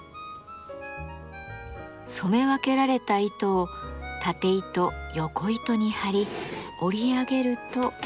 染め分けられた糸をたて糸よこ糸に張り織り上げると。